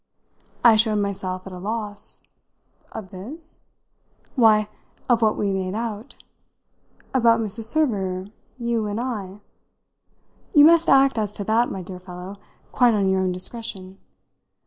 I showed myself at a loss. "Of 'this' ?" "Why, of what we've made out " "About Mrs. Server, you and I? You must act as to that, my dear fellow, quite on your own discretion.